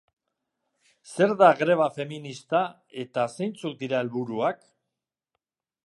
Zer da greba feminista eta zeintzuk dira helburuak?